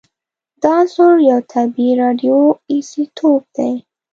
دا عنصر یو طبیعي راډیو ایزوتوپ دی